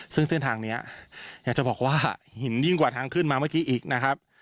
ซึ่งเส้นทางนี้อยากจะบอกว่าหินยิ่งกว่าทางขึ้นมาเมื่อกี้อีกนะครับ